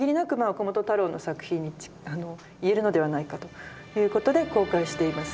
岡本太郎の作品いえるのではないかということで公開しています。